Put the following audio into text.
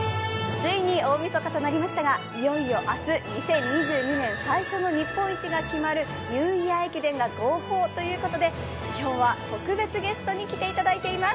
ついにみそかとなりましたが、ついに明日、日本一が決まるニューイヤー駅伝が号砲ということで、今日は特別ゲストに来ていただいています。